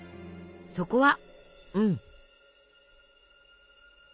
そこはうん」。